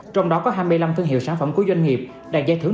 trong đó có hai mươi năm thương hiệu sản phẩm của doanh nghiệp đạt giải thưởng